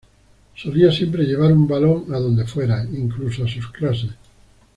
Solía siempre llevar un balón a donde fuera, incluso a sus clases.